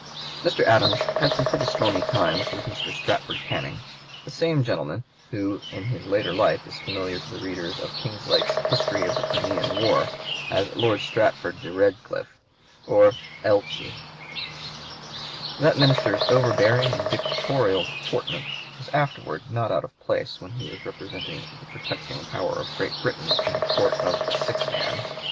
Mr. Adams had some pretty stormy times with Mr. Stratford Canning the same gentleman who in his later life is familiar to the readers of (p. 137) Kinglake's "History of the Crimean War" as Lord Stratford de Redclyffe, or Eltchi. That minister's overbearing and dictatorial deportment was afterwards not out of place when he was representing the protecting power of Great Britain in the court of the "sick man."